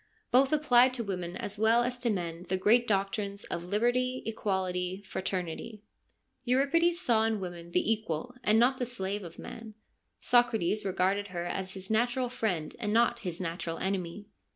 Both applied to women as well as to men the great doctrines of liberty, equality, fraternity. Euripides saw in woman the equal and not the slave of man, Socrates regarded her as his natural friend and not his natural enemy.